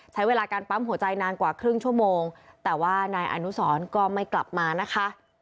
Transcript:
ใช้เวลาการปั๊มหัวใจนานกว่าครึ่งชั่วโมงแต่ว่านายอนุสรก็ไม่กลับมานะคะ